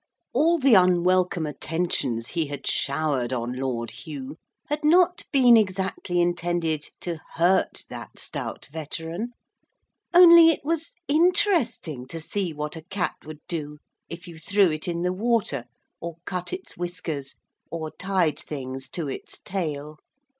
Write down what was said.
All the unwelcome attentions he had showered on Lord Hugh had not been exactly intended to hurt that stout veteran only it was interesting to see what a cat would do if you threw it in the water, or cut its whiskers, or tied things to its tail.